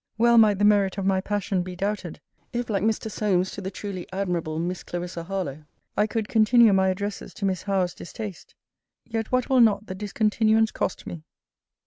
Well might the merit of my passion be doubted, if, like Mr. Solmes to the truly admirably Miss Clarissa Harlowe, I could continue my addresses to Miss Howe's distaste. Yet what will not the discontinuance cost me!